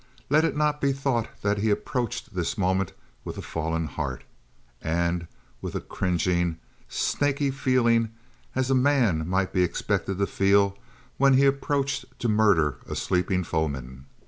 Let it not be thought that he approached this moment with a fallen heart, and with a cringing, snaky feeling as a man might be expected to feel when he approached to murder a sleeping foeman.